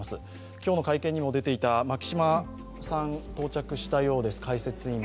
今日の会見にも出ていた解説委員の牧嶋さん到着したようです。